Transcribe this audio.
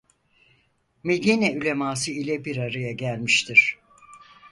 Medine uleması ile bir araya gelmiştir.